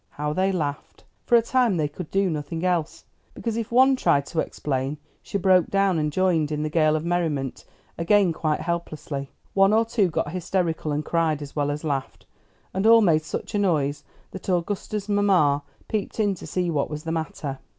How they laughed! for a time they could do nothing else, because if one tried to explain she broke down and joined in the gale of merriment again quite helplessly. One or two got hysterical and cried as well as laughed, and all made such a noise that Augusta's mamma peeped in to see what was the matter.